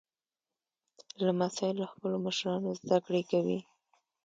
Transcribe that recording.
لمسی له خپلو مشرانو زدهکړه کوي.